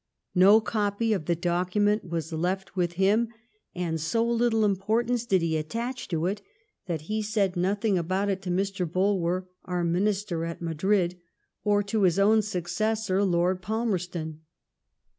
No copy of the document was left with him, and so little importance did he attach to it, that he said nothing about it to Mr. Bulwer, our mini ster at Madrid, or to his own successor. Lord Palmer ston.